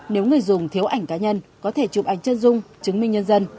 nếu người dùng thiếu ảnh cá nhân có thể chụp ảnh chân dung chứng minh nhân dân